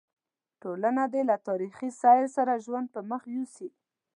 ټولنه دې له تاریخي سیر سره ژوند پر مخ یوسي.